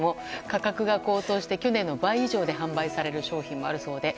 価格が高騰して、去年の倍以上で販売される商品もあるそうで。